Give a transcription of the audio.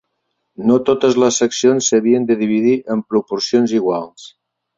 No totes les seccions s'havien de dividir en proporcions iguals.